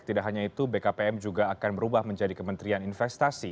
tidak hanya itu bkpm juga akan berubah menjadi kementerian investasi